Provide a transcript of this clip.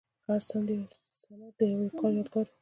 هر سند د یو کار یادګار و.